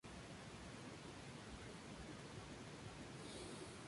Asumió el papel de representante del grupo ante las autoridades carcelarias.